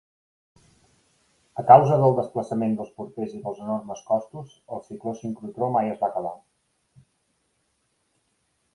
A causa del desplaçament dels porters i dels enormes costos, el ciclo-sincrotró mai es va acabar.